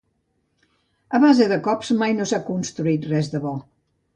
A base de cops mai no s’ha construït res de bo.